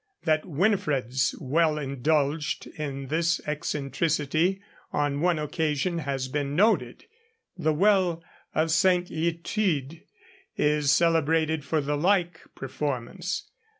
That Winifred's well indulged in this eccentricity on one occasion has been noted. The well of St. Illtyd is celebrated for the like performance.